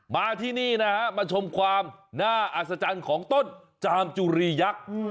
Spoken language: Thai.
มาที่นี่นะฮะมาชมความน่าอัศจรรย์ของต้นจามจุรียักษ์